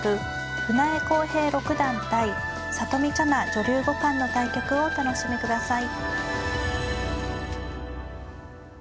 船江恒平六段対里見香奈女流五冠の対局をお楽しみください。